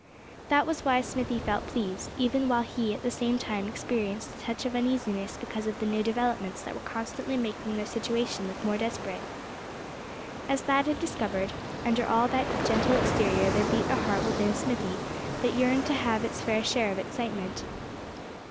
That was why Smithy felt pleased, even while he at the same time experienced a touch of uneasiness because of the new developments that were constantly making their situation look more desperate. As Thad had discovered, under all that gentle exterior there beat a heart within Smithy that yearned to have its fair share of excitement.